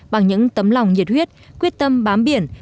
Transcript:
bằng những tấm lòng nhiệt huyết quyết tâm bám biển